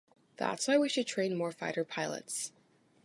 That’s why we should train more fighter pilots.